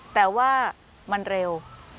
แต่ว่ามันเร็ว